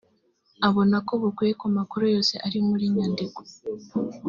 abona ko bukwiye ku makuru yose ari muri nyandiko